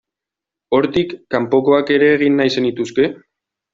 Hortik kanpokoak ere egin nahi zenituzke?